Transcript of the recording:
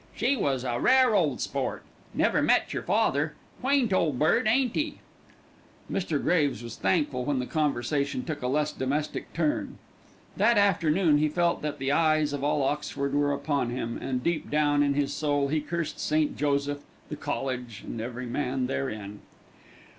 "She was a rare ole sport. Never met yer father. Quaint ole bird, ain't 'e?" Mr. Graves was thankful when the conversation took a less domestic turn. That afternoon he felt that the eyes of all Oxford were upon him, and deep down in his soul he cursed St. Joseph, the college, and every man therein.